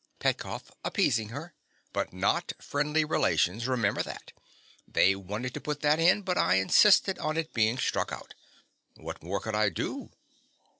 PETKOFF. (appeasing her).—but not friendly relations: remember that. They wanted to put that in; but I insisted on its being struck out. What more could I do?